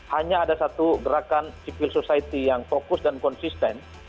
hanya ada satu gerakan civil society yang fokus dan konsisten